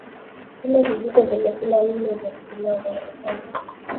Pima vijiko vya chakula nne vya pilau masala